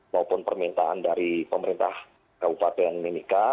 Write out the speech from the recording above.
maupun permintaan dari pemerintah kabupaten mimika